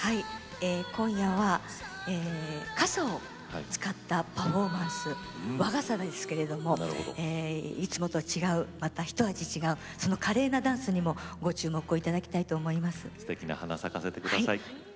今夜は傘を使ったパフォーマンス和傘ですけれどいつもと違うまたひと味違う華麗なダンスにもご注目いただきたいと思います。